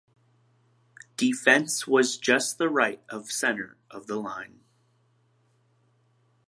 "Defence" was just to the right of the centre of the line.